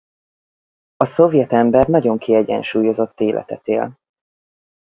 A szovjet ember nagyon kiegyensúlyozott életet él.